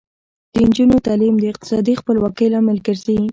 د نجونو تعلیم د اقتصادي خپلواکۍ لامل ګرځي.